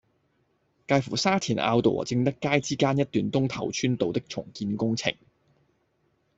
介乎沙田坳道和正德街之間一段東頭村道的重建工程